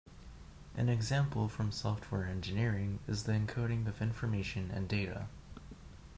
An example from software engineering is the encoding of information and data.